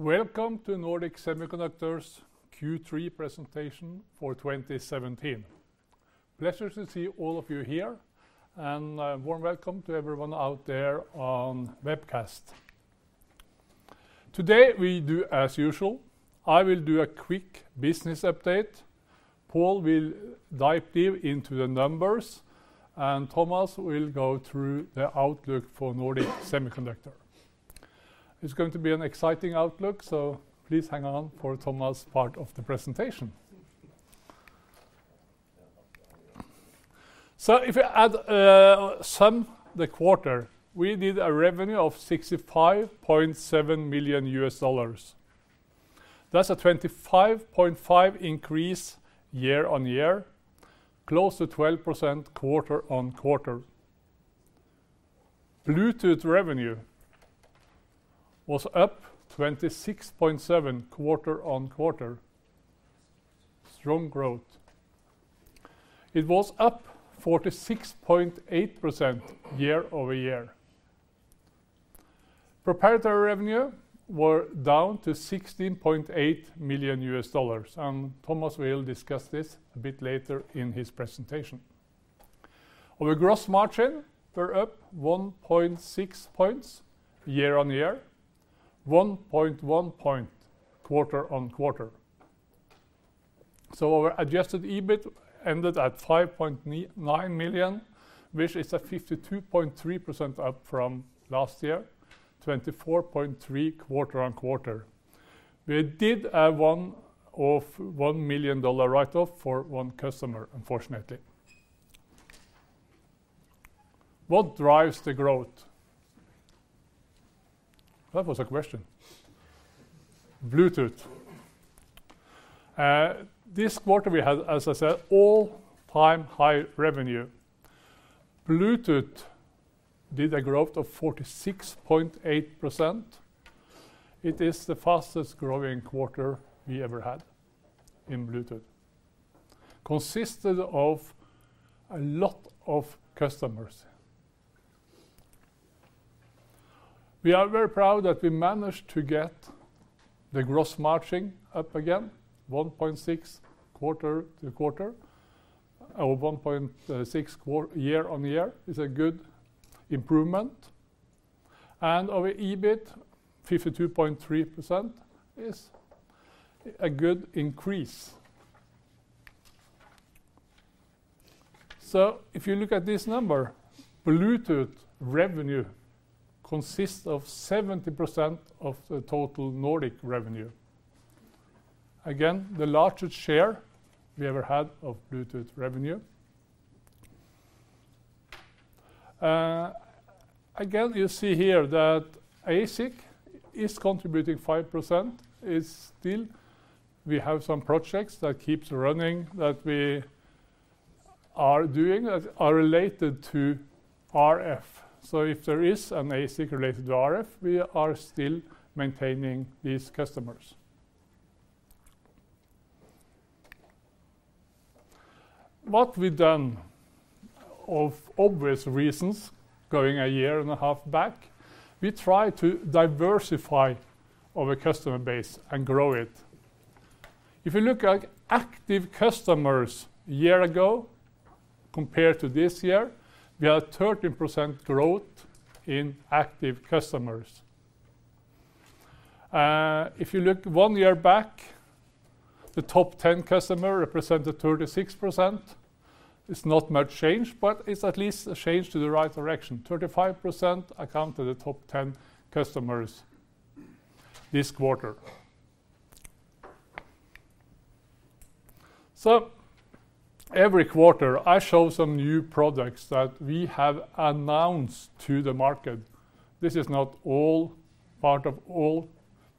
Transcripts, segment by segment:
Welcome to Nordic Semiconductor's Q3 presentation for 2017. Pleasure to see all of you here, and a warm welcome to everyone out there on webcast. Today, we do as usual, I will do a quick business update, Pål will dive deep into the numbers, and Thomas will go through the outlook for Nordic Semiconductor. It's going to be an exciting outlook, please hang on for Thomas' part of the presentation. If you add, sum the quarter, we did a revenue of $65.7 million. That's a 25.5% increase year-on-year, close to 12% quarter-on-quarter. Bluetooth revenue was up 26.7% quarter-on-quarter. Strong growth. It was up 46.8% year-over-year. Proprietary revenue were down to $16.8 million, Thomas will discuss this a bit later in his presentation. Our gross margin were up 1.6 points year-on-year, 1.1 points quarter-on-quarter. Our adjusted EBIT ended at $5.9 million, which is a 52.3% up from last year, 24.3% quarter-on-quarter. We did a one-off $1 million write-off for one customer, unfortunately. What drives the growth? That was a question. Bluetooth. This quarter, we had, as I said, all-time high revenue. Bluetooth did a growth of 46.8%. It is the fastest-growing quarter we ever had in Bluetooth, consisted of a lot of customers. We are very proud that we managed to get the gross matching up again, 1.6 quarter-to-quarter, or 1.6 year-on-year is a good improvement, and our EBIT, 52.3%, is a good increase. If you look at this number, Bluetooth revenue consists of 70% of the total Nordic revenue. Again, the largest share we ever had of Bluetooth revenue. Again, you see here that ASIC is contributing 5%, is still we have some projects that keeps running, that we are doing, that are related to RF. If there is an ASIC related to RF, we are still maintaining these customers. What we've done, of obvious reasons, going a year-and-a-half back, we try to diversify our customer base and grow it. If you look at active customers a year ago compared to this year, we have 13% growth in active customers. If you look one year back, the top 10 customer represented 36%. It's not much change, but it's at least a change to the right direction. 35% account to the top 10 customers this quarter. Every quarter, I show some new products that we have announced to the market. This is not all, part of all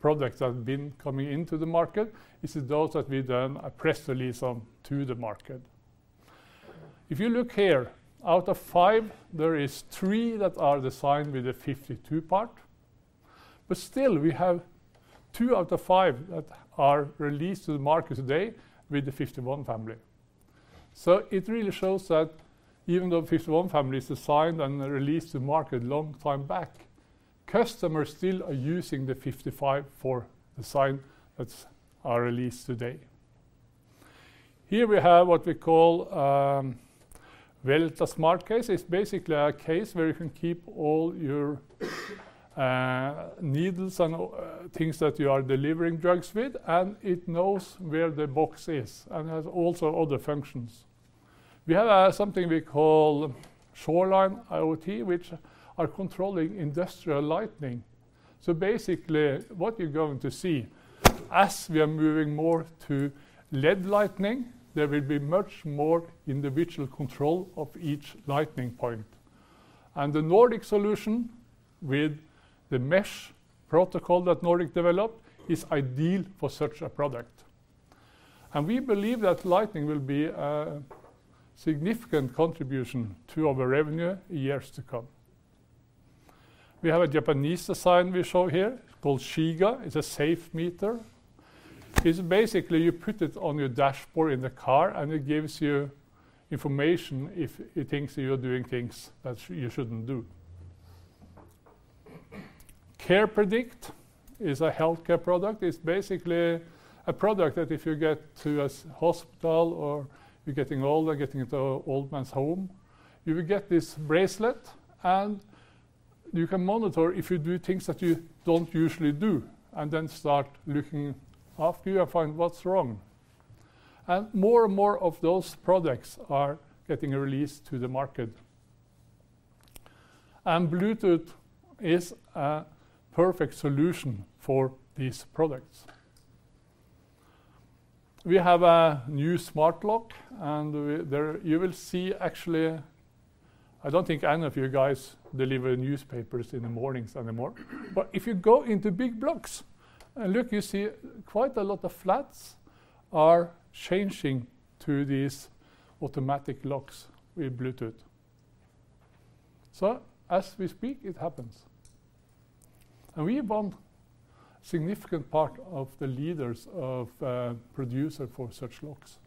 products that have been coming into the market. This is those that we done a press release on to the market. If you look here, out of five, there is three that are designed with a 52 part, but still we have two out of five that are released to the market today with the 51 family. It really shows that even though 51 family is designed and released to market a long time back, customers still are using the 55 for design that's are released today. Here we have what we call, Veta Smart Case. It's basically a case where you can keep all your needles and things that you are delivering drugs with, and it knows where the box is, and has also other functions. We have something we call Shoreline IoT, which are controlling industrial lighting. Basically, what you're going to see, as we are moving more to LED lighting, there will be much more individual control of each lighting point. The Nordic solution with the mesh protocol that Nordic developed, is ideal for such a product. We believe that lighting will be a significant contribution to our revenue in years to come. We have a Japanese design we show here, called Shiga. It's a safe meter. It's basically, you put it on your dashboard in the car, and it gives you information if it thinks you're doing things that you shouldn't do. CarePredict is a healthcare product. It's basically a product that if you get to a hospital, or you're getting older, getting into an old man's home, you will get this bracelet, and you can monitor if you do things that you don't usually do, and then start looking after you and find what's wrong. More and more of those products are getting released to the market. Bluetooth is a perfect solution for these products. We have a new smart lock, and we there, you will see, actually, I don't think any of you guys deliver newspapers in the mornings anymore. If you go into big blocks and look, you see quite a lot of flats are changing to these automatic locks with Bluetooth. As we speak, it happens. We want significant part of the leaders of producer for such locks.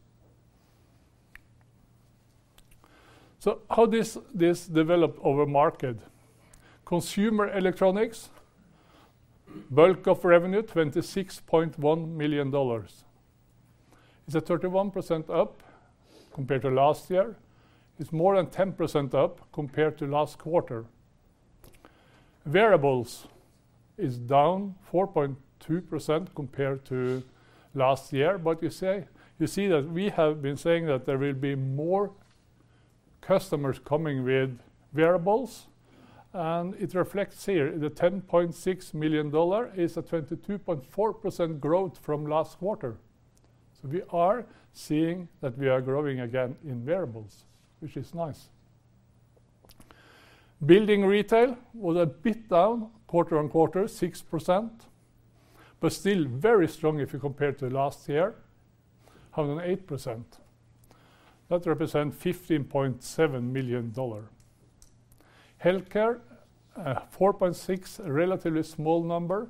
How this, this develop our market? Consumer electronics, bulk of revenue, $26.1 million. It's a 31% up compared to last year. It's more than 10% up compared to last quarter. Variables is down 4.2% compared to last year, you see that we have been saying that there will be more customers coming with variables, and it reflects here. The $10.6 million is a 22.4% growth from last quarter. We are seeing that we are growing again in variables, which is nice. Building retail was a bit down, quarter-on-quarter, 6%, still very strong if you compare to last year, 108%. That represent $15.7 million. Healthcare, 4.6, a relatively small number,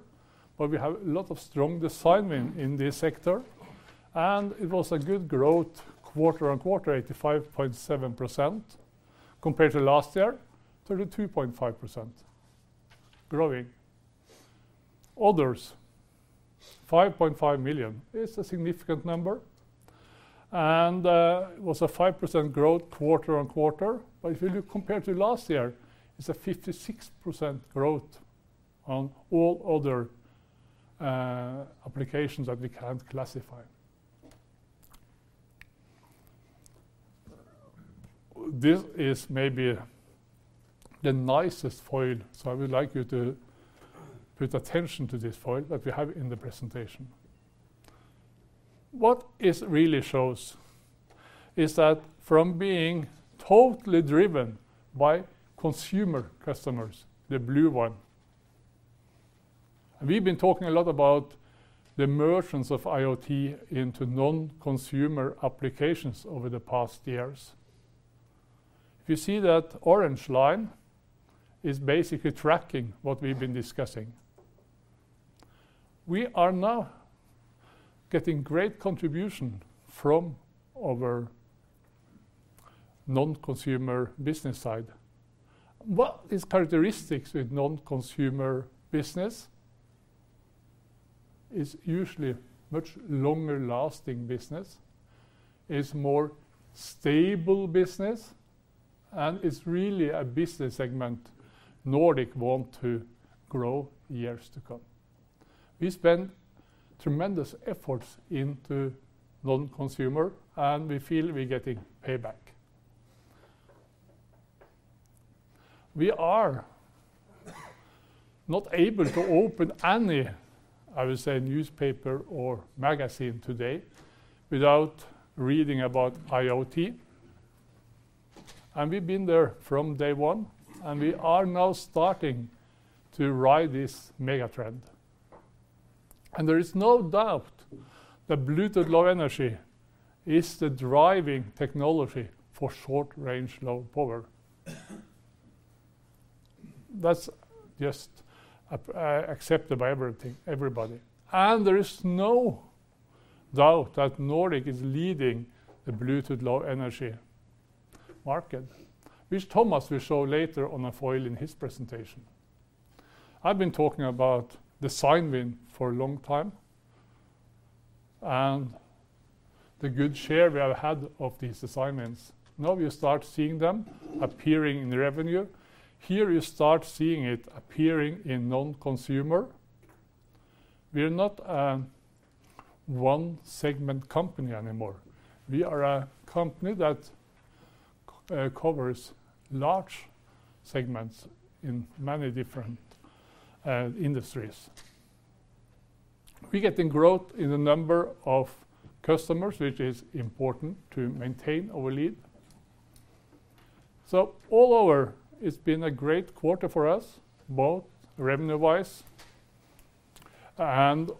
but we have a lot of strong design win in this sector, and it was a good growth, quarter-on-quarter, 85.7%, compared to last year, 32.5%, growing. Others, 5.5 million. It's a significant number, and, it was a 5% growth, quarter-on-quarter. If you look compared to last year, it's a 56% growth on all other applications that we can't classify. This is maybe the nicest foil, so I would like you to pay attention to this foil that we have in the presentation. What this really shows is that from being totally driven by consumer customers, the blue one, we've been talking a lot about the emergence of IoT into non-consumer applications over the past years. If you see that orange line, is basically tracking what we've been discussing. We are now getting great contribution from our non-consumer business side. What is characteristics with non-consumer business? It's usually much longer-lasting business, it's more stable business, and it's really a business segment Nordic want to grow years to come. We spend tremendous efforts into non-consumer, and we feel we're getting payback. We are not able to open any, I would say, newspaper or magazine today without reading about IoT, and we've been there from day one, and we are now starting to ride this mega trend. There is no doubt that Bluetooth Low Energy is the driving technology for short-range, low power. That's just accepted by everything, everybody. There is no doubt that Nordic is leading the Bluetooth Low Energy market, which Thomas will show later on a foil in his presentation. I've been talking about design win for a long time, and the good share we have had of these design wins. We start seeing them appearing in revenue. Here, you start seeing it appearing in non-consumer. We are not a one-segment company anymore. We are a company that covers large segments in many different industries. We're getting growth in the number of customers, which is important to maintain our lead. All over, it's been a great quarter for us, both revenue-wise and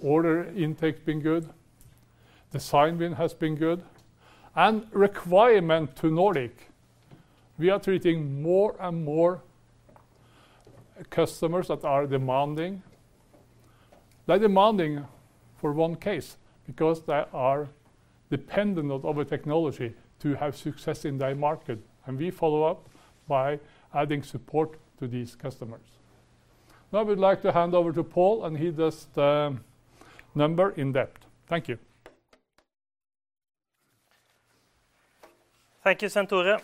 order intake been good, design win has been good, and requirement to Nordic, we are treating more and more customers that are demanding, they're demanding for one case, because they are dependent of a technology to have success in their market, and we follow up by adding support to these customers. Now, I would like to hand over to Pål, and he does the number in depth. Thank you. Thank you, Svenn-Tore.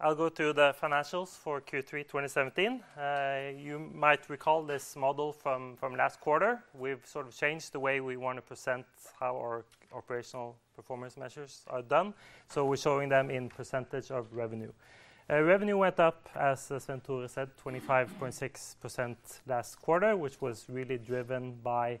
I'll go to the financials for Q3 2017. You might recall this model from last quarter. We've sort of changed the way we want to present how our operational performance measures are done, so we're showing them in percentage of revenue. Revenue went up, as Svenn-Tore said, 25.6% last quarter, which was really driven by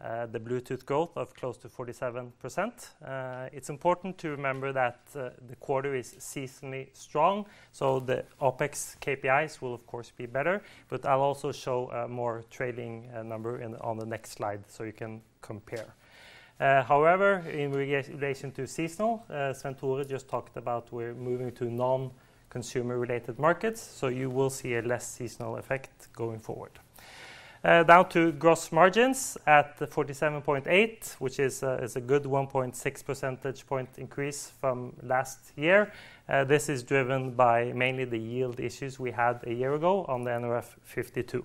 the Bluetooth growth of close to 47%. It's important to remember that the quarter is seasonally strong, so the OpEx KPIs will, of course, be better, but I'll also show a more trailing number on the next slide, so you can compare. However, in relation to seasonal, Svenn-Tore just talked about, we're moving to non-consumer-related markets, so you will see a less seasonal effect going forward. Down to gross margins at the 47.8, which is a, is a good 1.6 percentage point increase from last year. This is driven by mainly the yield issues we had a year ago on the nRF52.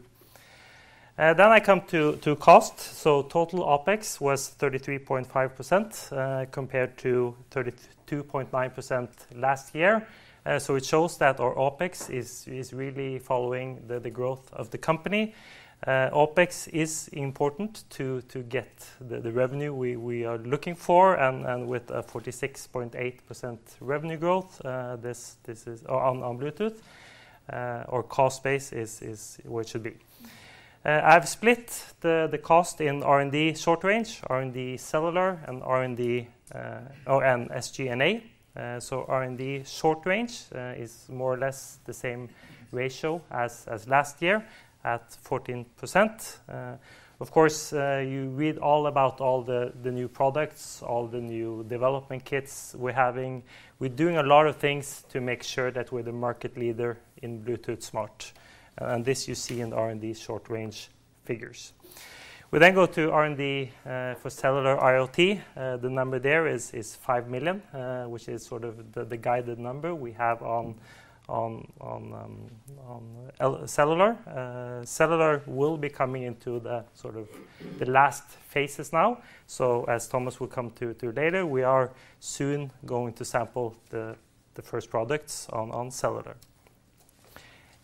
I come to, to cost, so total OpEx was 33.5%, compared to 32.9% last year. It shows that our OpEx is, is really following the, the growth of the company. OpEx is important to, to get the, the revenue we, we are looking for, and, and with a 46.8% revenue growth, this, this is on, on Bluetooth, our cost base is, is where it should be. I've split the, the cost in R&D short-range, R&D cellular, and R&D, oh, and SG&A. R&D short-range is more or less the same ratio as last year, at 14%. Of course, you read all about all the new products, all the new development kits we're having. We're doing a lot of things to make sure that we're the market leader in Bluetooth Smart. This you see in R&D short-range figures. We then go to R&D for Cellular IoT. The number there is 5 million, which is sort of the guided number we have on cellular. Cellular will be coming into the sort of the last phases now. As Thomas will come to later, we are soon going to sample the first products on cellular.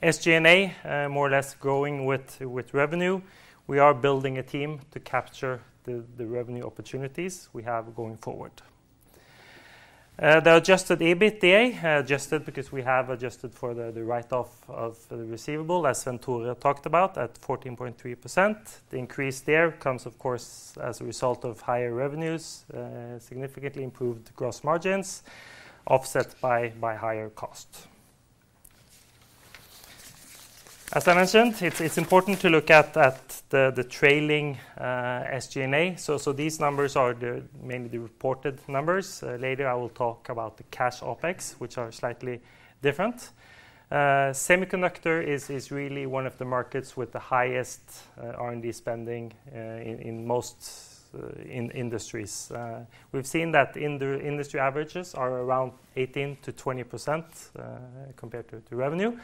SG&A more or less growing with revenue. We are building a team to capture the revenue opportunities we have going forward. The adjusted EBITDA, adjusted because we have adjusted for the write-off of the receivable, as Svenn-Tore talked about, at 14.3%. The increase there comes, of course, as a result of higher revenues, significantly improved gross margins, offset by higher cost. As I mentioned, it's important to look at the trailing SG&A. These numbers are the mainly the reported numbers. Later, I will talk about the cash OpEx, which are slightly different. Semiconductor is really one of the markets with the highest R&D spending in most industries. We've seen that industry averages are around 18%-20% compared to revenue.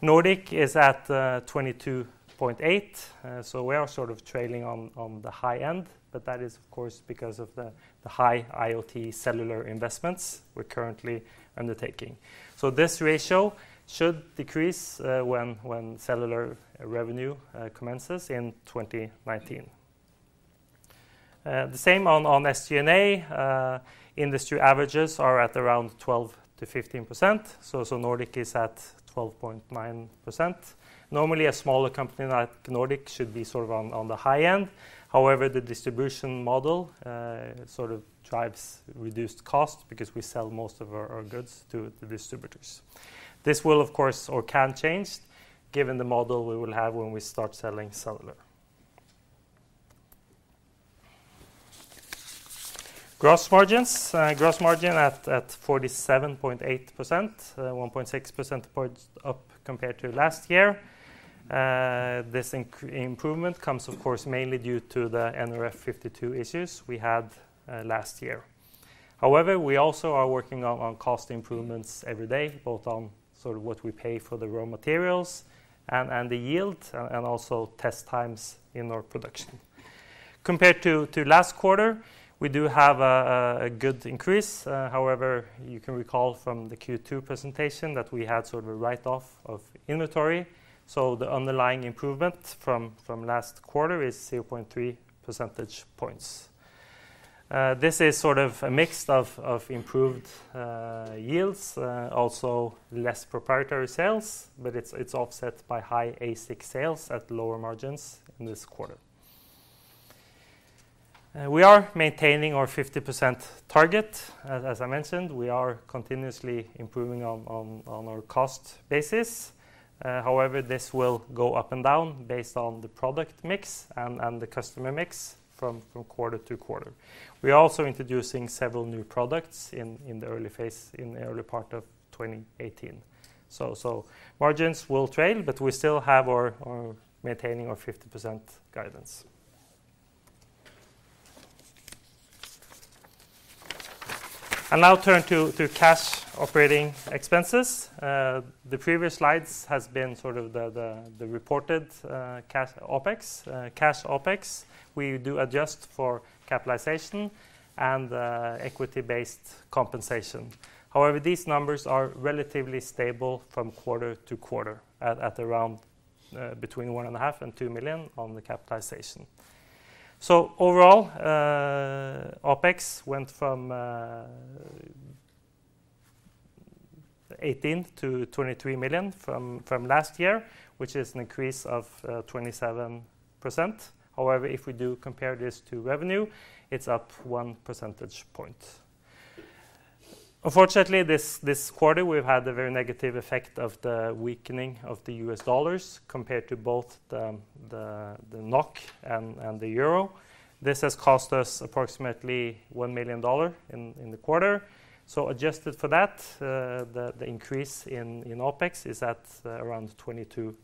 Nordic is at 22.8, we are sort of trailing on, on the high end, but that is, of course, because of the high IoT cellular investments we're currently undertaking. This ratio should decrease when cellular revenue commences in 2019. The same on SG&A. Industry averages are at around 12%-15%, Nordic is at 12.9%. Normally, a smaller company like Nordic should be sort of on, on the high end. However, the distribution model sort of drives reduced cost because we sell most of our goods to the distributors. This will, of course, or can change given the model we will have when we start selling cellular. Gross margins. Gross margin at 47.8%, 1.6 percent points up compared to last year. This inc- improvement comes of course, mainly due to the nRF52 issues we had last year. However, we also are working on cost improvements every day, both on sort of what we pay for the raw materials and the yield and also test times in our production. Compared to last quarter, we do have a good increase. However, you can recall from the Q2 presentation that we had sort of a write-off of inventory, so the underlying improvement from last quarter is 0.3 percentage points. This is sort of a mix of improved yields, also less proprietary sales, but it's offset by high ASIC sales at lower margins in this quarter. We are maintaining our 50% target. As I mentioned, we are continuously improving on our cost basis. This will go up and down based on the product mix and the customer mix from quarter to quarter. We are also introducing several new products in the early part of 2018. Margins will trail, but we still have our maintaining our 50% guidance. I'll now turn to cash operating expenses. The previous slides has been sort of the reported cash OpEx, cash OpEx. We do adjust for capitalization and equity-based compensation. These numbers are relatively stable from quarter to quarter, at around between 1.5 million and 2 million on the capitalization. Overall, OpEx went from 18 million-23 million last year, which is an increase of 27%. However, if we do compare this to revenue, it's up 1 percentage point. Unfortunately, this quarter, we've had a very negative effect of the weakening of the U.S. dollar compared to both the NOK and the euro. This has cost us approximately $1 million in the quarter. Adjusted for that, the increase in OpEx is at around 22%.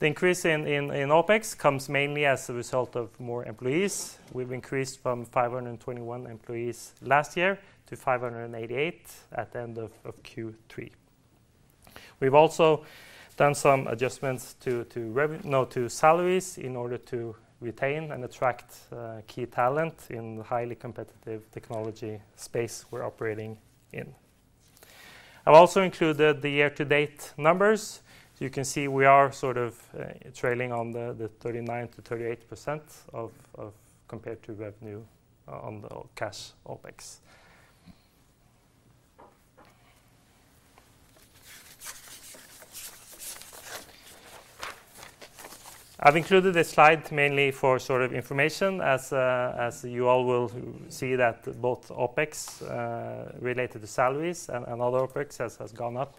The increase in OpEx comes mainly as a result of more employees. We've increased from 521 employees last year to 588 at the end of Q3. We've also done some adjustments to salaries, in order to retain and attract key talent in the highly competitive technology space we're operating in. I've also included the year-to-date numbers. You can see we are sort of trailing on the 39%-38% of compared to revenue on the cash OpEx. I've included this slide mainly for sort of information, as you all will see, that both OpEx related to salaries and other OpEx has gone up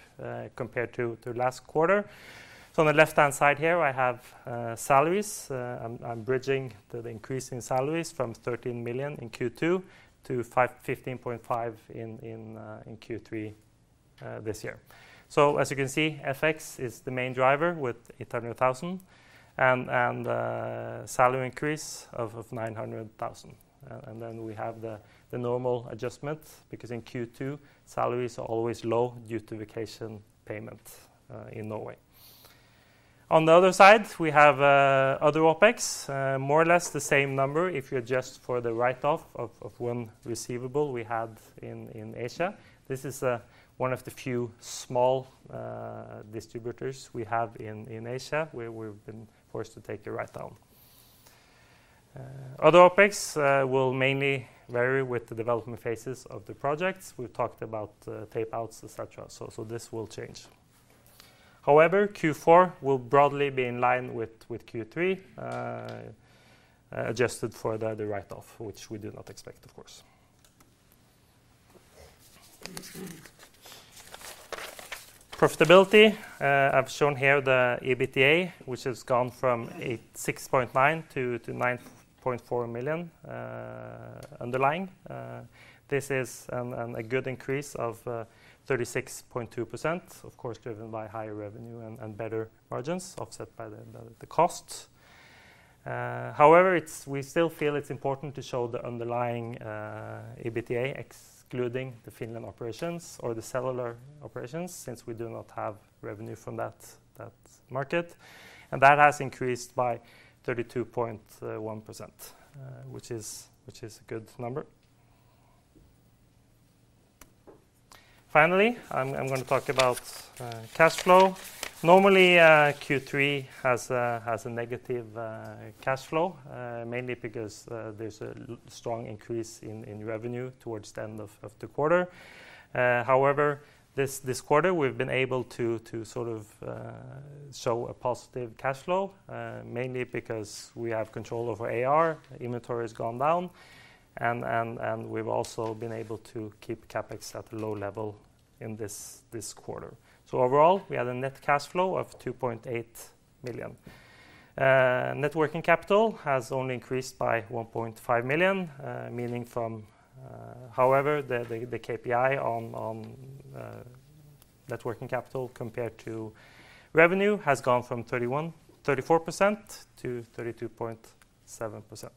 compared to last quarter. On the left-hand side here, I have salaries. I'm bridging the increase in salaries from 13 million in Q2 to 15.5 million in Q3 this year. As you can see, FX is the main driver, with 800,000, and salary increase of 900,000. Then we have the normal adjustment, because in Q2, salaries are always low due to vacation payment in Norway. On the other side, we have other OpEx, more or less the same number if you adjust for the write-off of one receivable we had in Asia. This is one of the few small distributors we have in Asia, where we've been forced to take a write-down. Other OpEx will mainly vary with the development phases of the projects. We've talked about tapeouts, et cetera, so this will change. However, Q4 will broadly be in line with Q3, adjusted for the write-off, which we did not expect, of course. Profitability. I've shown here the EBITDA, which has gone from 6.9 million-9.4 million underlying. This is a good increase of 36.2%, of course, driven by higher revenue and better margins, offset by the cost. However, we still feel it's important to show the underlying EBITDA, excluding the Finland operations or the cellular operations, since we do not have revenue from that market. That has increased by 32.1%, which is a good number. Finally, I'm going to talk about cash flow. Normally, Q3 has a negative cash flow, mainly because there's a strong increase in revenue towards the end of the quarter. However, this, this quarter, we've been able to, to sort of, show a positive cash flow, mainly because we have control over AR, inventory has gone down, and we've also been able to keep CapEx at a low level in this, this quarter. Overall, we had a net cash flow of 2.8 million. Net working capital has only increased by 1.5 million, meaning from. However, the, the, the KPI on, on, net working capital compared to revenue has gone from 31%-34% to 32.7%.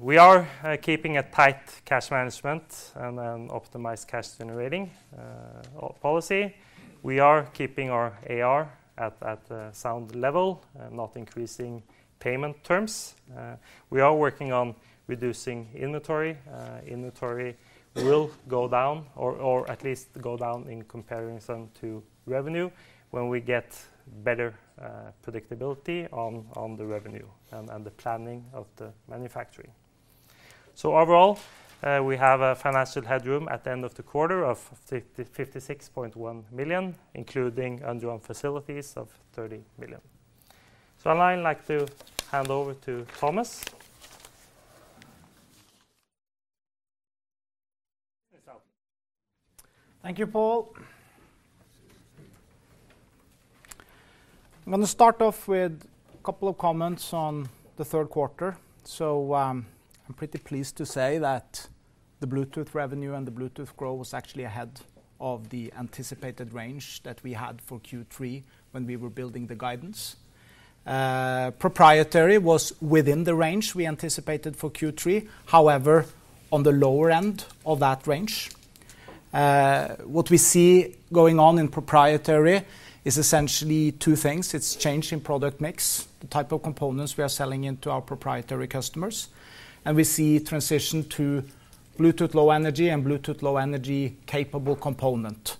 We are, keeping a tight cash management and an optimized cash-generating policy. We are keeping our AR at, at a sound level, not increasing payment terms. We are working on reducing inventory. Inventory will go down, or at least go down in comparison to revenue when we get better predictability on the revenue and the planning of the manufacturing. Overall, we have a financial headroom at the end of the quarter of 56.1 million, including undrawn facilities of 30 million. Now I'd like to hand over to Thomas. Thank you, Pål. I'm gonna start off with a couple of comments on the third quarter. I'm pretty pleased to say that the Bluetooth revenue and the Bluetooth growth was actually ahead of the anticipated range that we had for Q3 when we were building the guidance. Proprietary was within the range we anticipated for Q3, however, on the lower end of that range. What we see going on in proprietary is essentially two things. It's change in product mix, the type of components we are selling into our proprietary customers, and we see transition to Bluetooth Low Energy and Bluetooth Low Energy capable component.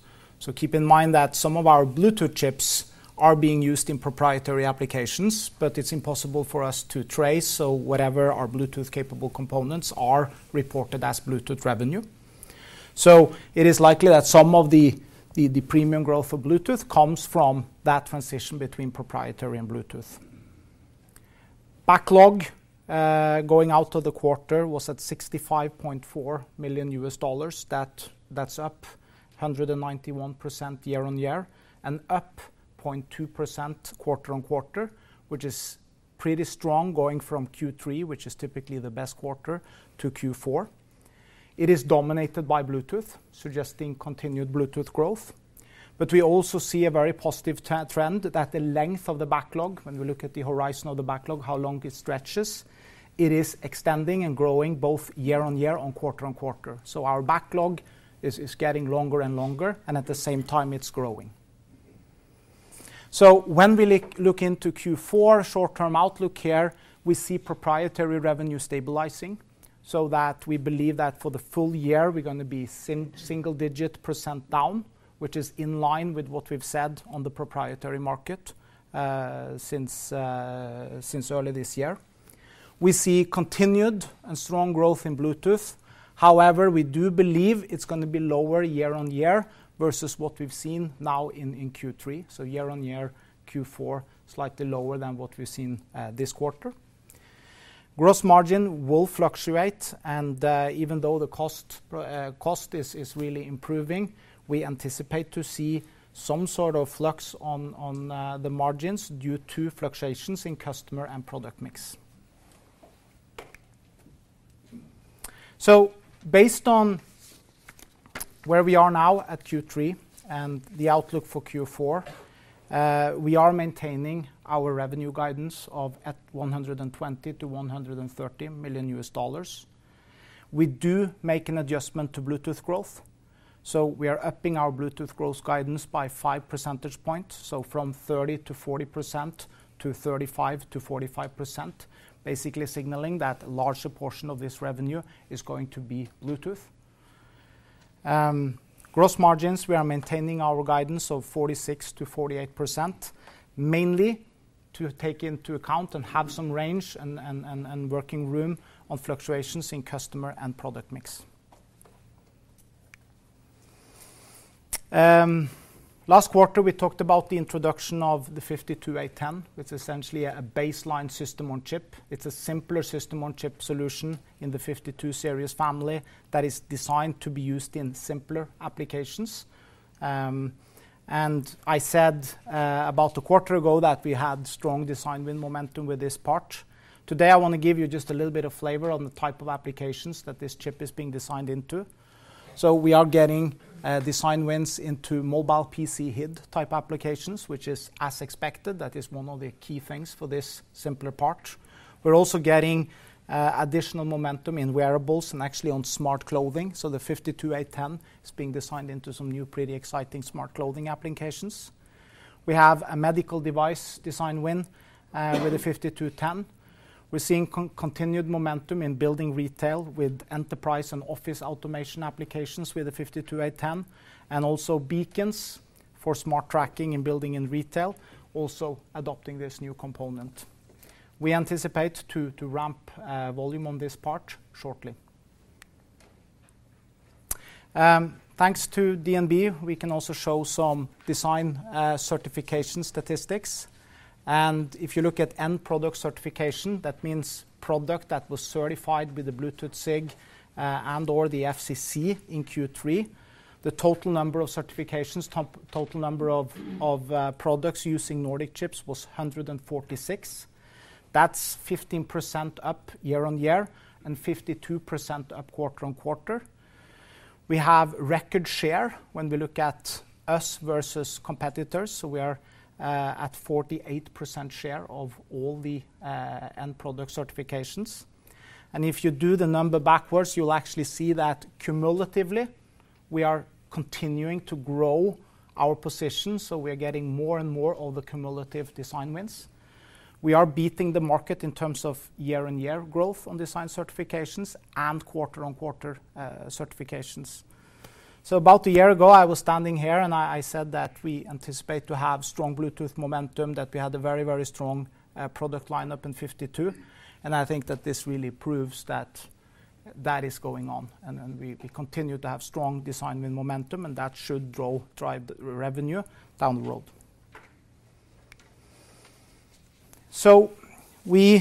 Keep in mind that some of our Bluetooth chips are being used in proprietary applications, but it's impossible for us to trace, whatever our Bluetooth-capable components are reported as Bluetooth revenue. It is likely that some of the, the, the premium growth for Bluetooth comes from that transition between proprietary and Bluetooth. Backlog going out of the quarter was at $65.4 million. That, that's up 191% year-on-year, and up 0.2% quarter-on-quarter, which is pretty strong, going from Q3, which is typically the best quarter, to Q4. It is dominated by Bluetooth, suggesting continued Bluetooth growth. We also see a very positive trend, that the length of the backlog, when we look at the horizon of the backlog, how long it stretches, it is extending and growing both year-on-year and quarter-on-quarter. Our backlog is, is getting longer and longer, and at the same time, it's growing. When we look, look into Q4 short-term outlook here, we see proprietary revenue stabilizing, so that we believe that for the full year, we're gonna be single-digit % down, which is in line with what we've said on the proprietary market since early this year. We see continued and strong growth in Bluetooth. We do believe it's gonna be lower year-on-year versus what we've seen now in Q3, so year-on-year, Q4, slightly lower than what we've seen this quarter. Gross margin will fluctuate, and even though the cost cost is really improving, we anticipate to see some sort of flux on the margins due to fluctuations in customer and product mix. Based on where we are now at Q3 and the outlook for Q4, we are maintaining our revenue guidance of at $120 million-$130 million. We do make an adjustment to Bluetooth growth, so we are upping our Bluetooth growth guidance by 5 percentage points, so from 30%-40% to 35%-45%, basically signaling that a larger portion of this revenue is going to be Bluetooth. Gross margins, we are maintaining our guidance of 46%-48%, mainly to take into account and have some range and, and, and, and working room on fluctuations in customer and product mix. Last quarter, we talked about the introduction of the nRF52810, which is essentially a baseline system-on-chip. It's a simpler system-on-chip solution in the nRF52 Series family that is designed to be used in simpler applications. I said about a quarter ago that we had strong design win momentum with this part. Today, I wanna give you just a little bit of flavor on the type of applications that this chip is being designed into. We are getting design wins into mobile PC HID-type applications, which is as expected. That is one of the key things for this simpler part. We're also getting additional momentum in wearables and actually on smart clothing, the nRF52810 is being designed into some new, pretty exciting smart clothing applications. We have a medical device design win with the nRF52810. We're seeing continued momentum in building retail with enterprise and office automation applications with the nRF52810, and also beacons for smart tracking and building and retail, also adopting this new component. Thanks to DNB, we can also show some design certification statistics. If you look at end product certification, that means product that was certified with the Bluetooth SIG and/or the FCC in Q3, the total number of certifications, total number of products using Nordic chips was 146. That's 15% up year-over-year and 52% up quarter-over-quarter. We have record share when we look at us versus competitors, so we are at 48% share of all the end product certifications. If you do the number backwards, you'll actually see that cumulatively, we are continuing to grow our position, so we are getting more and more of the cumulative design wins. We are beating the market in terms of year-on-year growth on design certifications and quarter-on-quarter certifications. About a year ago, I was standing here, and I, I said that we anticipate to have strong Bluetooth momentum, that we had a very, very strong product lineup in nRF52, and I think that this really proves that that is going on, and then we, we continue to have strong design win momentum, and that should drive the revenue down the road. We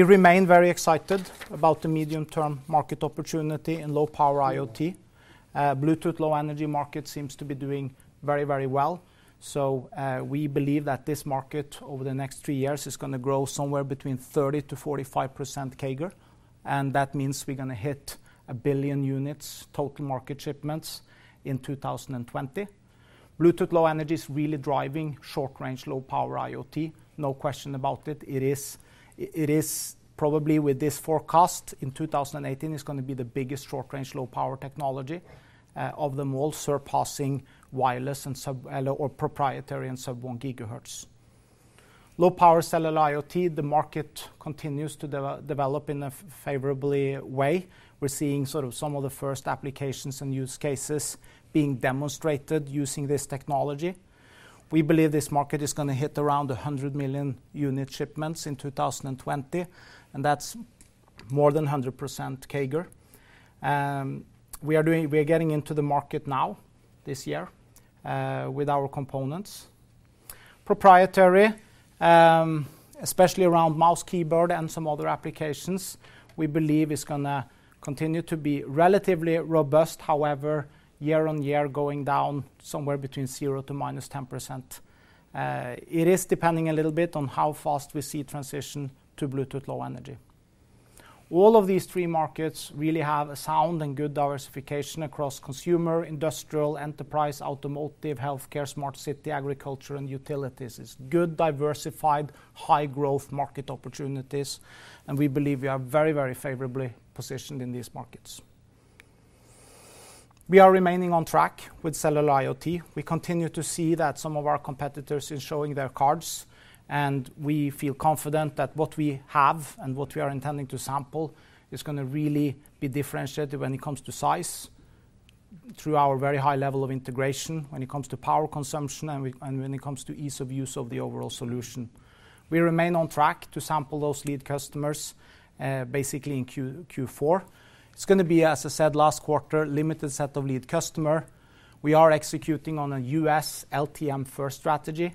remain very excited about the medium-term market opportunity in low-power IoT. Bluetooth Low Energy market seems to be doing very, very well. We believe that this market, over the next three years, is gonna grow somewhere between 30%-45% CAGR. That means we're gonna hit 1 billion units, total market shipments, in 2020. Bluetooth Low Energy is really driving short-range, low-power IoT, no question about it. It is, it is probably with this forecast, in 2018, it's gonna be the biggest short-range, low-power technology of them all, surpassing wireless and sub- or proprietary and sub-1 GHz. Low-power Cellular IoT, the market continues to develop in a favorably way. We're seeing sort of some of the first applications and use cases being demonstrated using this technology. We believe this market is gonna hit around 100 million unit shipments in 2020, and that's more than 100% CAGR. We are getting into the market now, this year, with our components. Proprietary, especially around mouse, keyboard, and some other applications, we believe is gonna continue to be relatively robust. However, year-on-year going down somewhere between 0% to -10%. It is depending a little bit on how fast we see transition to Bluetooth Low Energy. All of these three markets really have a sound and good diversification across consumer, industrial, enterprise, automotive, healthcare, smart city, agriculture, and utilities. It's good, diversified, high-growth market opportunities, and we believe we are very, very favorably positioned in these markets. We are remaining on track with Cellular IoT. We continue to see that some of our competitors is showing their cards, and we feel confident that what we have and what we are intending to sample is gonna really be differentiated when it comes to size, through our very high level of integration, when it comes to power consumption, and when it comes to ease of use of the overall solution. We remain on track to sample those lead customers, basically in Q4. It's gonna be, as I said, last quarter, limited set of lead customer. We are executing on a U.S. LTM first strategy,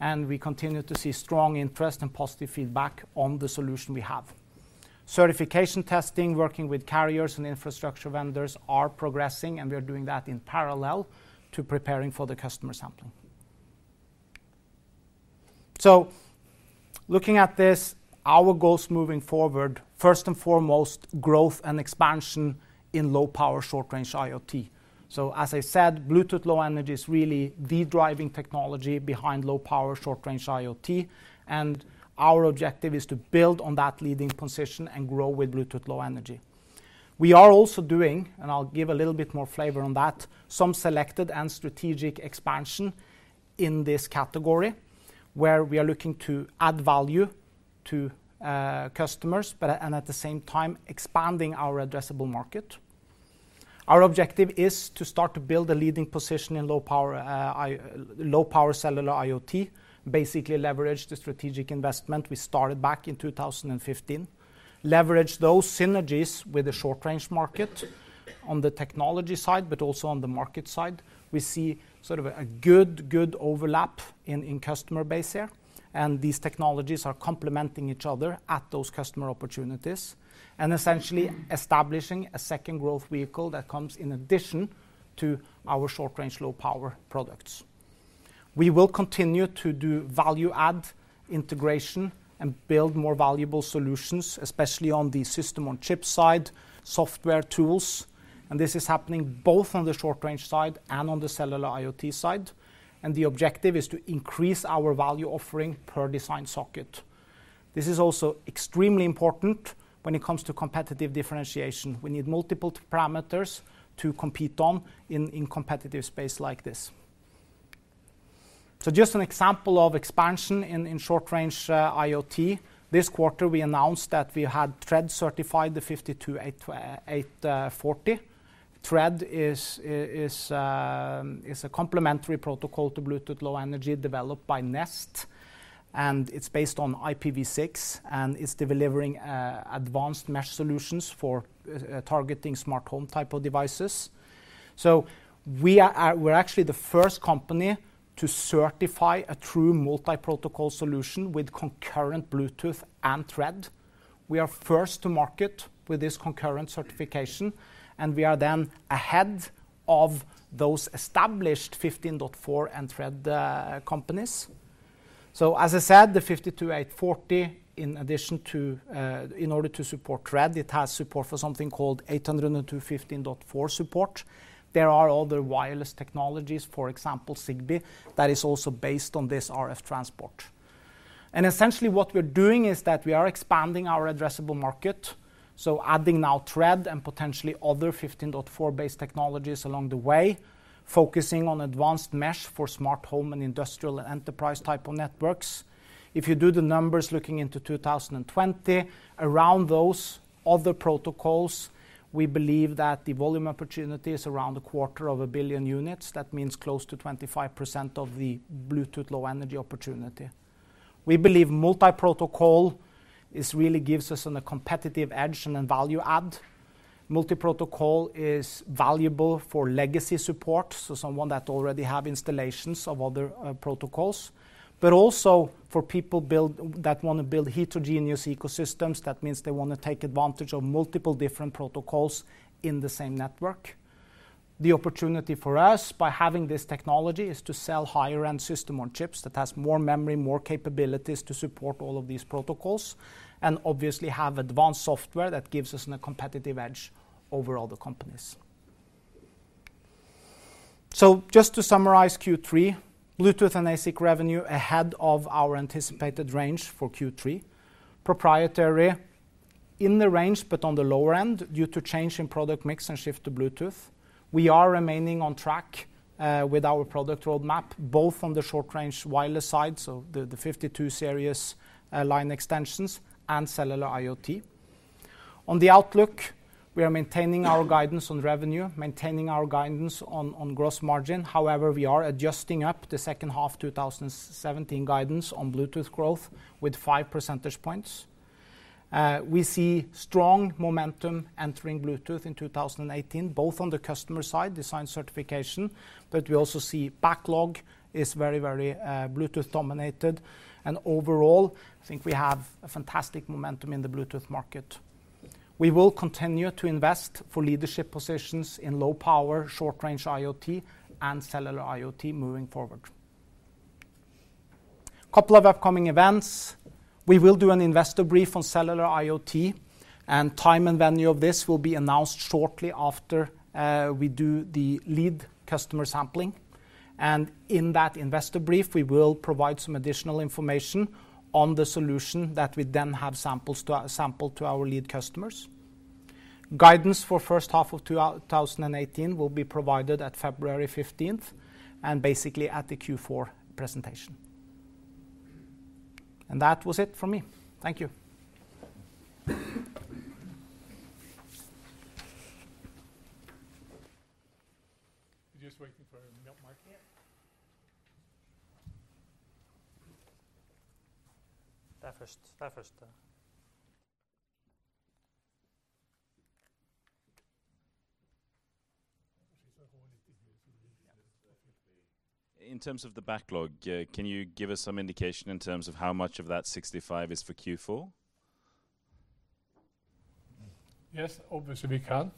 and we continue to see strong interest and positive feedback on the solution we have. Certification testing, working with carriers and infrastructure vendors are progressing, and we are doing that in parallel to preparing for the customer sampling. Looking at this, our goals moving forward, first and foremost, growth and expansion in low-power, short-range IoT. As I said, Bluetooth Low Energy is really the driving technology behind low-power, short-range IoT, and our objective is to build on that leading position and grow with Bluetooth Low Energy. We are also doing, and I'll give a little bit more flavor on that, some selected and strategic expansion in this category, where we are looking to add value to customers, but at, and at the same time, expanding our addressable market. Our objective is to start to build a leading position in low-power Cellular IoT, basically leverage the strategic investment we started back in 2015, leverage those synergies with the short-range market on the technology side, but also on the market side. We see sort of a good, good overlap in, in customer base here, and these technologies are complementing each other at those customer opportunities, and essentially establishing a second growth vehicle that comes in addition to our short-range, low-power products. We will continue to do value-add integration and build more valuable solutions, especially on the system-on-chip side, software tools, and this is happening both on the short-range side and on the Cellular IoT side. The objective is to increase our value offering per design socket. This is also extremely important when it comes to competitive differentiation. We need multiple parameters to compete on in, in competitive space like this. Just an example of expansion in, in short-range IoT. This quarter, we announced that we had Thread certified the 52840. Thread is a complementary protocol to Bluetooth Low Energy developed by Nest, it's based on IPv6, and it's delivering advanced mesh solutions for targeting smart home type of devices. We're actually the first company to certify a true multi-protocol solution with concurrent Bluetooth and Thread. We are first to market with this concurrent certification, and we are then ahead of those established 802.15.4 and Thread companies. As I said, the nRF52840, in addition to in order to support Thread, it has support for something called 802.15.4 support. There are other wireless technologies, for example, Zigbee, that is also based on this RF transport. Essentially, what we're doing is that we are expanding our addressable market, so adding now Thread and potentially other 15.4-based technologies along the way, focusing on advanced mesh for smart home and industrial enterprise type of networks. If you do the numbers looking into 2020, around those other protocols, we believe that the volume opportunity is around 250 million units. That means close to 25% of the Bluetooth Low Energy opportunity. We believe multi-protocol is really gives us a competitive edge and a value add. Multi-protocol is valuable for legacy support, so someone that already have installations of other protocols, but also for people that want to build heterogeneous ecosystems. That means they want to take advantage of multiple different protocols in the same network. The opportunity for us, by having this technology, is to sell higher-end system-on-chips that has more memory, more capabilities to support all of these protocols, and obviously have advanced software that gives us a competitive edge over other companies. Just to summarize Q3, Bluetooth and ASIC revenue ahead of our anticipated range for Q3. Proprietary, in the range, but on the lower end, due to change in product mix and shift to Bluetooth. We are remaining on track with our product roadmap, both on the short-range wireless side, so the 52 Series line extensions and Cellular IoT. On the outlook, we are maintaining our guidance on revenue, maintaining our guidance on gross margin. However, we are adjusting up the second half 2017 guidance on Bluetooth growth with 5 percentage points. We see strong momentum entering Bluetooth in 2018, both on the customer side, design certification, we also see backlog is very, very Bluetooth-dominated. Overall, I think we have a fantastic momentum in the Bluetooth market. We will continue to invest for leadership positions in low-power, short-range IoT and Cellular IoT moving forward. Couple of upcoming events. We will do an investor brief on Cellular IoT, time and venue of this will be announced shortly after we do the lead customer sampling. In that investor brief, we will provide some additional information on the solution that we then have sample to our lead customers. Guidance for first half of 2018 will be provided at February 15th, basically at the Q4 presentation. That was it for me. Thank you. We're just waiting for Mark here. I first, I first. In terms of the backlog, can you give us some indication in terms of how much of that 65 is for Q4? Yes, obviously, we can.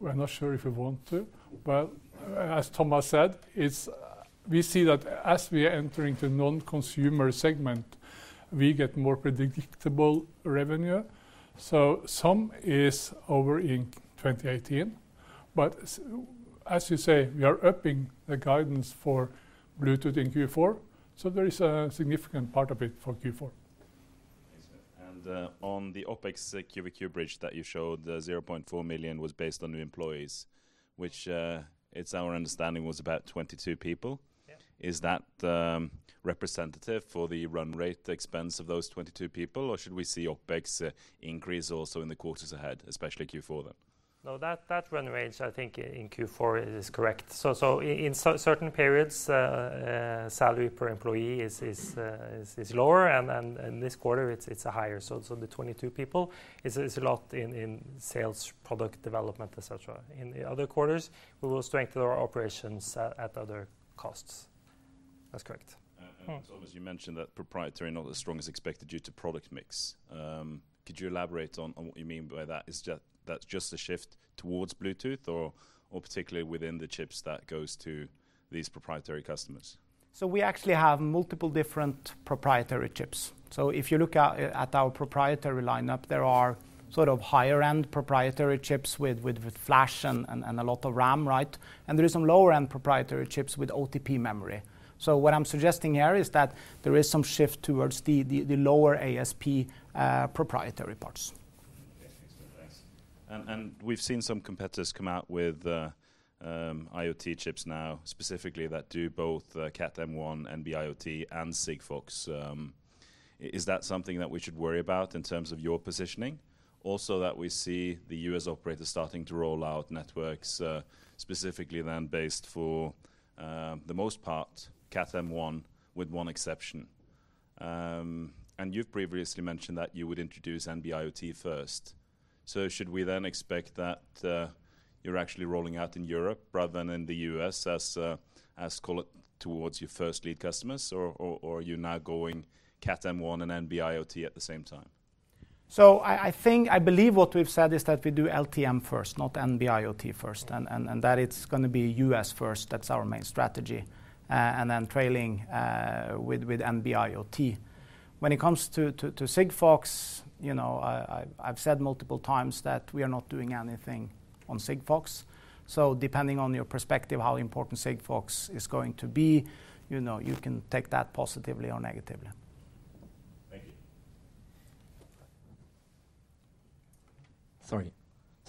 We're not sure if we want to, but as Thomas said, it's we see that as we are entering the non-consumer segment, we get more predictable revenue. Some is over in 2018, but as you say, we are upping the guidance for Bluetooth in Q4, so there is a significant part of it for Q4. Thanks. On the OpEx quarter-over-quarter bridge that you showed, the 0.4 million was based on the employees, which, it's our understanding was about 22 people? Yeah. Is that representative for the run rate expense of those 22 people, or should we see OpEx increase also in the quarters ahead, especially Q4 then? That, that run rate, I think in Q4 is correct. In certain periods, salary per employee is lower, and in this quarter, it's higher. The 22 people is a lot in sales, product development, et cetera. In the other quarters, we will strengthen our operations at other costs. That's correct. Thomas, you mentioned that proprietary not as strong as expected due to product mix. Could you elaborate on, on what you mean by that? Is that's just a shift towards Bluetooth or, or particularly within the chips that goes to these proprietary customers? We actually have multiple different proprietary chips. If you look at, at our proprietary lineup, there are sort of higher-end proprietary chips with, with, with flash and, and, and a lot of RAM, right? There are some lower-end proprietary chips with OTP memory. What I'm suggesting here is that there is some shift towards the, the, the lower ASP proprietary parts. Okay. Thanks. We've seen some competitors come out with IoT chips now, specifically that do both Cat M1, NB-IoT, and Sigfox. Is that something that we should worry about in terms of your positioning? Also, that we see the US operators starting to roll out networks, specifically then based for the most part, Cat M1, with one exception. You've previously mentioned that you would introduce NB-IoT first. Should we then expect that you're actually rolling out in Europe rather than in the U.S. as as call it, towards your first lead customers, or you're now going Cat M1 and NB-IoT at the same time? I believe what we've said is that we do LTM first, not NB-IoT first, and that it's gonna be U.S. first. That's our main strategy, and then trailing with NB-IoT. When it comes to Sigfox, you know, I've said multiple times that we are not doing anything on Sigfox. Depending on your perspective, how important Sigfox is going to be, you know, you can take that positively or negatively. Thank you. Sorry.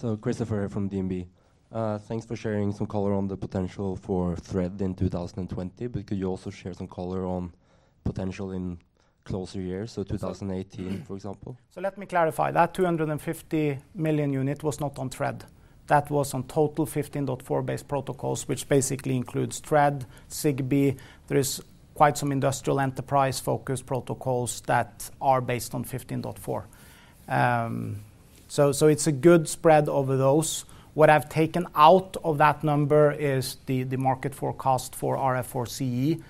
Christoffer from DNB. Thanks for sharing some color on the potential for Thread in 2020, could you also share some color on potential in closer years, so 2018, for example? Let me clarify. That 250 million unit was not on Thread. That was on total 15.4-based protocols, which basically includes Thread, Zigbee. There is quite some industrial enterprise-focused protocols that are based on 15.4. It's a good spread over those. What I've taken out of that number is the market forecast for RF for CE.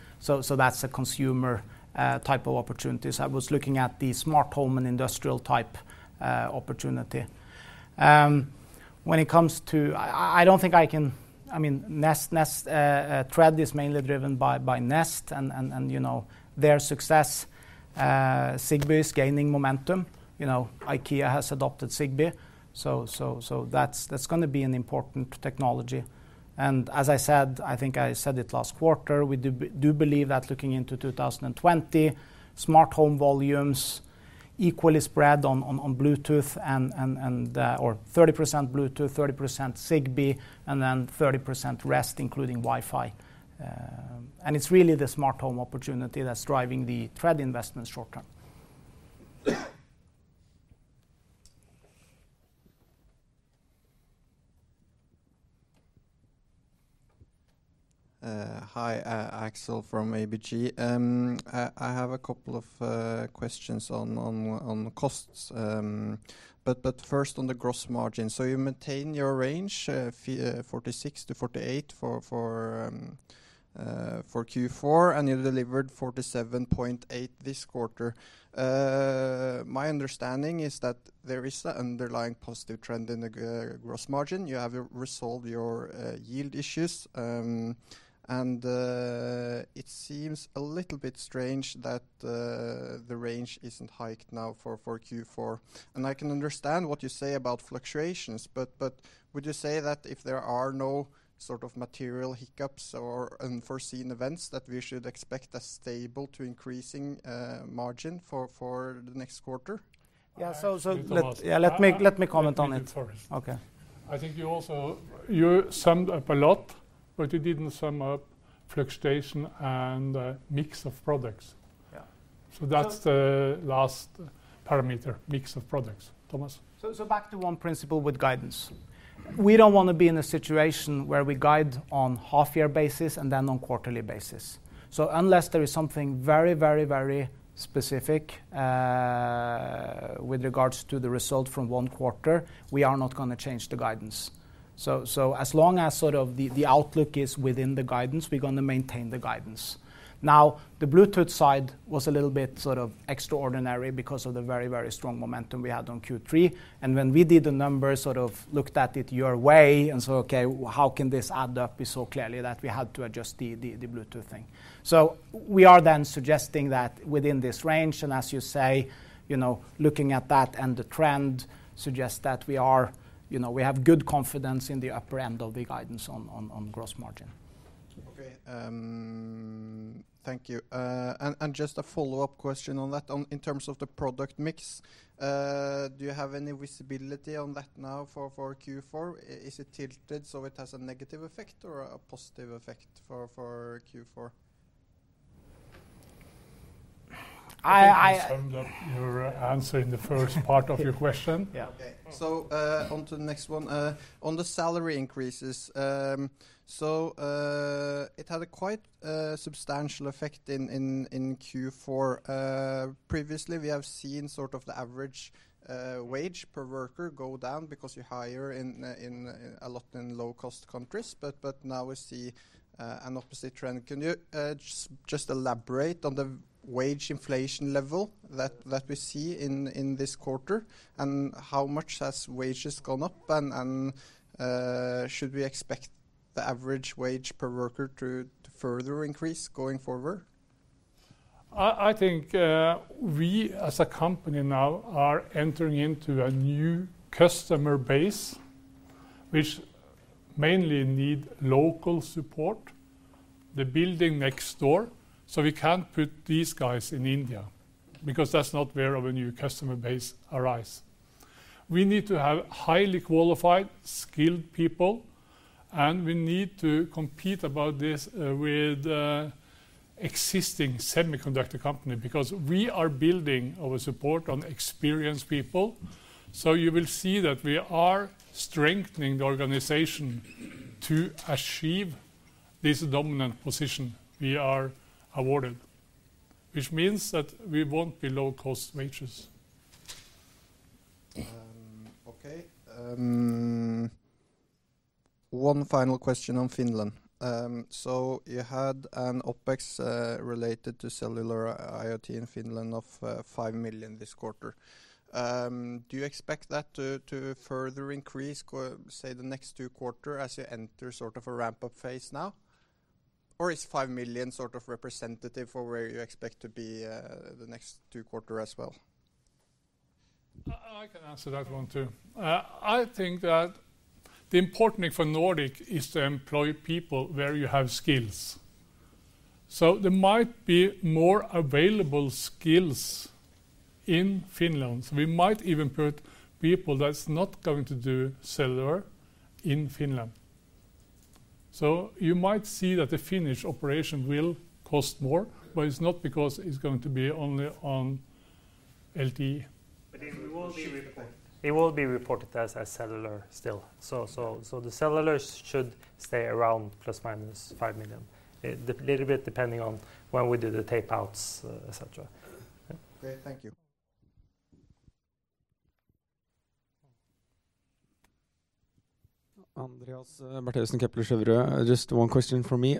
That's the consumer type of opportunities. I was looking at the smart home and industrial type opportunity. When it comes to I, I don't think I can I mean, Nest, Nest, Thread is mainly driven by, by Nest, and, and, and, you know, their success. Zigbee is gaining momentum. You know, IKEA has adopted Zigbee, so, so, so that's, that's gonna be an important technology. As I said, I think I said it last quarter, we do do believe that looking into 2020, smart home volumes equally spread on, on, on Bluetooth and, and, and, or 30% Bluetooth, 30% Zigbee, and then 30% rest, including Wi-Fi. It's really the smart home opportunity that's driving the Thread investments short term. Hi, Axel from ABG. I have a couple of questions on the costs, but first on the gross margin. You maintain your range, 46%-48% for Q4, and you delivered 47.8% this quarter. My understanding is that there is an underlying positive trend in the gross margin. You have resolved your yield issues, and it seems a little bit strange that the range isn't hiked now for Q4. I can understand what you say about fluctuations, but would you say that if there are no sort of material hiccups or unforeseen events, that we should expect a stable to increasing margin for the next quarter? Yeah. let, yeah, let me, let me comment on it. You do it first. Okay. I think you summed up a lot, but you didn't sum up fluctuation and mix of products. Yeah. That's the last parameter, mix of products. Thomas? Back to one principle with guidance. We don't want to be in a situation where we guide on half-year basis and then on quarterly basis. Unless there is something very, very, very specific with regards to the result from one quarter, we are not gonna change the guidance. As long as sort of the, the outlook is within the guidance, we're gonna maintain the guidance. Now, the Bluetooth side was a little bit sort of extraordinary because of the very, very strong momentum we had on Q3. When we did the numbers, sort of looked at it your way and said: Okay, how can this add up? Clearly that we had to adjust the, the, the Bluetooth thing. We are then suggesting that within this range, and as you say, you know, looking at that and the trend suggests that we are, you know, we have good confidence in the upper end of the guidance on gross margin. Okay, thank you. Just a follow-up question on that. In terms of the product mix, do you have any visibility on that now for Q4? Is it tilted, so it has a negative effect or a positive effect for Q4? I think we summed up your answer in the first part of your question. Yeah, okay. On to the next one. On the salary increases, it had a quite substantial effect in, in, in Q4. Previously, we have seen sort of the average wage per worker go down because you hire in, a lot in low-cost countries. Now we see an opposite trend. Can you just, just elaborate on the wage inflation level that, that we see in, in this quarter, and how much has wages gone up, and, should we expect the average wage per worker to, to further increase going forward? I think we, as a company now, are entering into a new customer base, which mainly need local support, the building next door. We can't put these guys in India, because that's not where our new customer base arise. We need to have highly qualified, skilled people, and we need to compete about this with existing semiconductor company, because we are building our support on experienced people. You will see that we are strengthening the organization to achieve this dominant position we are awarded, which means that we won't be low-cost wages. Okay. One final question on Finland. You had an OpEx related to Cellular IoT in Finland of 5 million this quarter. Do you expect that to, to further increase, say, the next two quarter as you enter sort of a ramp-up phase now? Or is 5 million sort of representative for where you expect to be, the next two quarter as well? I can answer that one, too. I think that the important thing for Nordic is to employ people where you have skills. There might be more available skills in Finland. We might even put people that's not going to do cellular in Finland. You might see that the Finnish operation will cost more, but it's not because it's going to be only on LTE. It will be reported. It will be reported as, as cellular still. The cellular should stay around ±5 million. Little bit depending on when we do the tapeouts, et cetera. Okay, thank you. Andreas Martelson Kepler Cheuvreux. Just one question from me.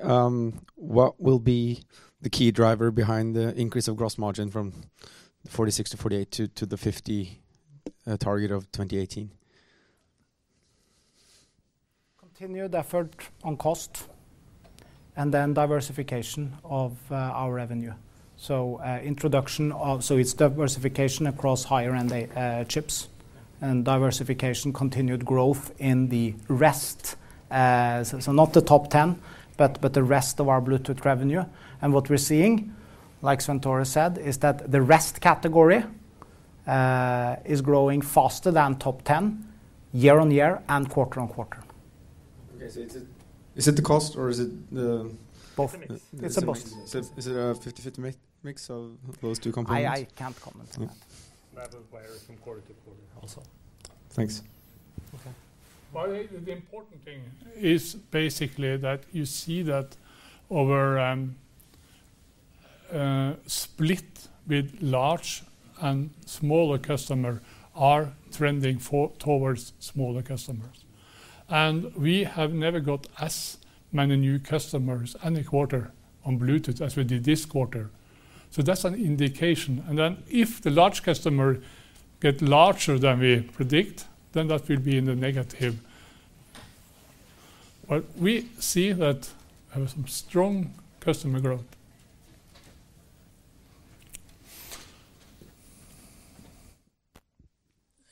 What will be the key driver behind the increase of gross margin from 46%-48% to, to the 50% target of 2018? Continued effort on cost, then diversification of our revenue. Introduction of- it's diversification across higher end chips, and diversification continued growth in the rest. Not the top 10, but, but the rest of our Bluetooth revenue. What we're seeing, like Svenn-Tore said, is that the rest category is growing faster than top 10, year-over-year and quarter-on-quarter. Okay, is it, is it the cost or is it the- Both. It's a mix. It's a both. Is it a 50/50 mix of those two components? I can't comment on that. That will vary from quarter to quarter also. Thanks. Okay. Well, the, the important thing is basically that you see that over, split with large and smaller customer are trending towards smaller customers. We have never got as many new customers any quarter on Bluetooth as we did this quarter. That's an indication. Then if the large customer get larger than we predict, then that will be in the negative. We see that have some strong customer growth.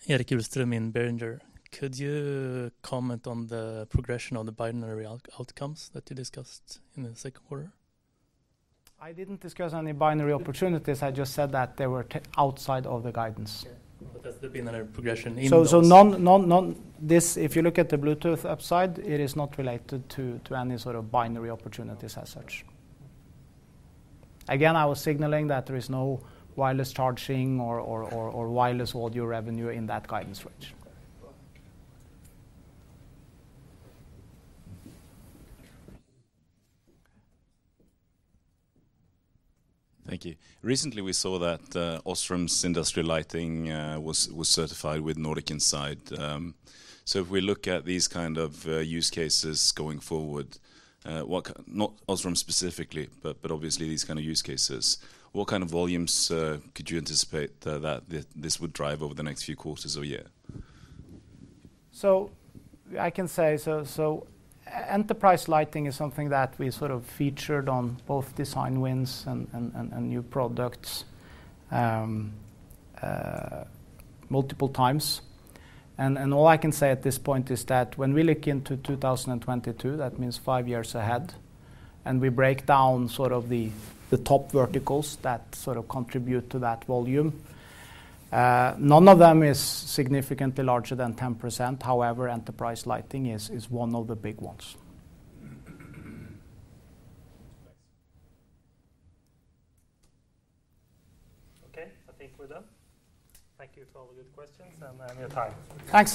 Erik Rustad in Berenberg. Could you comment on the progression of the binary out- outcomes that you discussed in the second quarter? I didn't discuss any binary opportunities. I just said that they were outside of the guidance. Yeah, has there been a progression in those? This, if you look at the Bluetooth upside, it is not related to any sort of binary opportunities as such. Again, I was signaling that there is no wireless charging or wireless audio revenue in that guidance range. Thank you. Recently, we saw that OSRAM's industrial lighting was, was certified with Nordic inside. If we look at these kind of use cases going forward, not OSRAM specifically, but, but obviously these kind of use cases, what kind of volumes could you anticipate that this, this would drive over the next few quarters or year? I can say, so enterprise lighting is something that we sort of featured on both design wins and new products, multiple times. All I can say at this point is that when we look into 2022, that means five years ahead, and we break down sort of the top verticals that sort of contribute to that volume, none of them is significantly larger than 10%. However, enterprise lighting is, is one of the big ones. Thanks. Okay, I think we're done. Thank you for all the good questions and your time. Thanks.